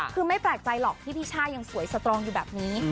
คือไม่แปลกใจหรอกที่พี่ช่ายังสวยสตรองอยู่แบบนี้